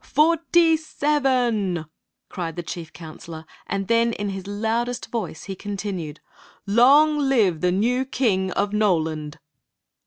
Forty seven r cried the chief counselor ; and then in his loudest voice he continued :" Long live the new King of Noland